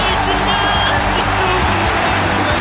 มีความสุขกับการเล่นฟุตบอลให้น่าที่สุด